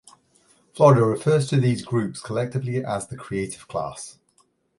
Florida refers to these groups collectively as the creative class.